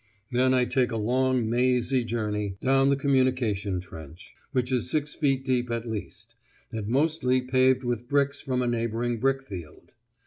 Then I take a long mazy journey down the communication trench, which is six feet deep at least, and mostly paved with bricks from a neighbouring brick field.